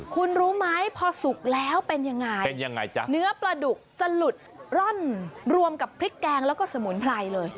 คุณรู้ไหมพอสุกแล้วเป็นยังไงเป็นยังไงจ้ะเนื้อปลาดุกจะหลุดร่อนรวมกับพริกแกงแล้วก็สมุนไพรเลย